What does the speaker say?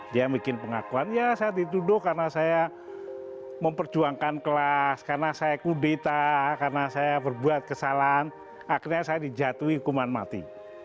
dia bikin pengakuan ya saya dituduh karena saya memperjuangkan kelas karena saya kudeta karena saya berbuat kesalahan akhirnya saya dijatuhi hukuman mati